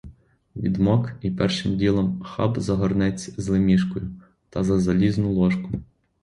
Відмок і першим ділом хап за горнець з лемішкою та за залізну ложку.